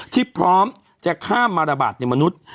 ที่พร้อมจะข้ามมาระบาดในมนุษย์